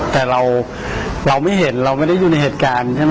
แต่เราไม่เห็นเราไม่ได้อยู่ในเหตุการณ์